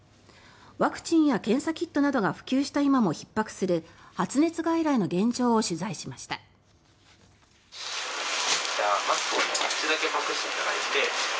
ワクチンや検査キットなどが普及した今もひっ迫する発熱外来の現状を取材しました。